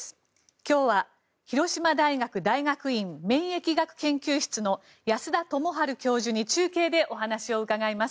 今日は広島大学大学院免疫学研究室の保田朋波流教授に中継でお話を伺います。